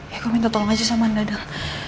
ya gue minta tolong aja sama mandadel